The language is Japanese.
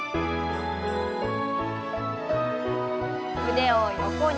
腕を横に。